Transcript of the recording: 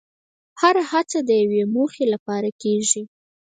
هره هڅه د یوې موخې لپاره کېږي.